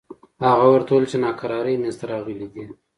هغه ورته وویل چې ناکراری منځته راغلي دي.